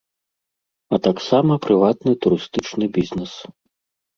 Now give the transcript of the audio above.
А таксама прыватны турыстычны бізнэс.